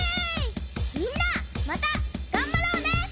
みんなまた頑張ろうね。